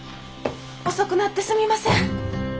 遅くなってすみません。